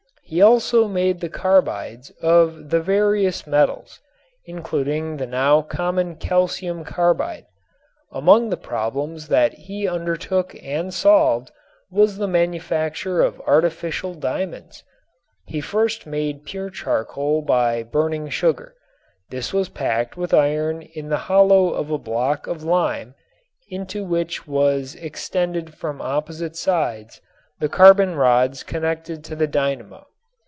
He also made the carbides of the various metals, including the now common calcium carbide. Among the problems that he undertook and solved was the manufacture of artificial diamonds. He first made pure charcoal by burning sugar. This was packed with iron in the hollow of a block of lime into which extended from opposite sides the carbon rods connected to the dynamo.